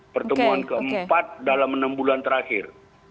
pertemuan keempat dalam enam bulan terakhir